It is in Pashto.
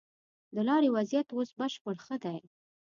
د لارې وضيعت اوس بشپړ ښه دی.